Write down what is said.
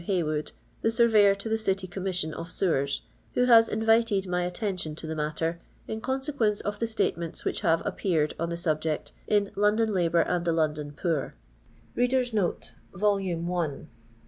Haywood, the Surveyor to the CUy Commiuion of Sewen, who has invited my attention to the matter, in consequence of the statements which have ap peared on the subject in ^London Labour and the London Poor."